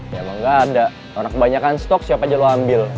ya emang gak ada orang kebanyakan stop siapa aja lo ambil